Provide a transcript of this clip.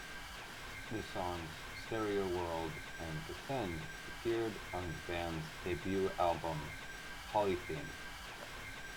The songs "Stereo World" and "Descend" appeared on the band's debut album "Polythene".